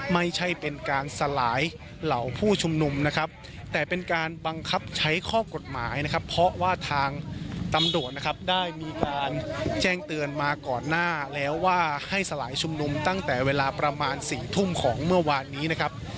ไม่ใช่เป็นการสลายเหล่าผู้ชุมนุมนะครับแต่เป็นการบังคับใช้ข้อกฎหมายนะครับเพราะว่าทางตำรวจนะครับได้มีการแจ้งเตือนมาก่อนหน้าแล้วว่าให้สลายชุมนุมตั้งแต่เวลาประมาณ๔ทุ่มของเมื่อวานนี้นะครับ